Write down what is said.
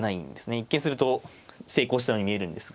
一見すると成功したように見えるんですが。